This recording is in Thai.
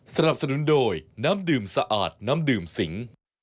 สนับสนุนโดยน้ำดื่มสะอาดน้ำดื่มสิง